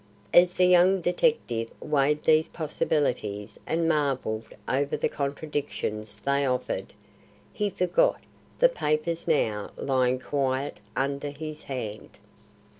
As the young detective weighed these possibilities and marvelled over the contradictions they offered, he forgot the papers now lying quiet under his hand.